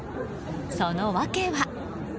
その訳は。